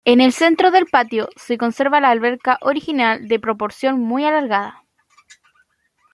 En el centro del patio se conserva la alberca original de proporción muy alargada.